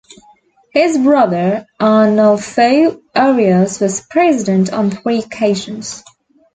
His brother Arnulfo Arias was president on three occasions.